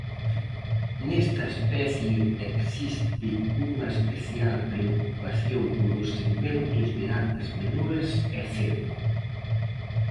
Nesta especie existe unha especial preocupación polos segmentos de artes menores e cerco.